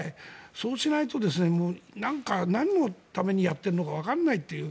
そうしないとなんのためにやっているのかわからないっていう。